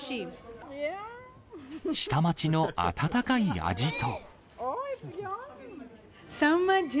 下町の温かい味と。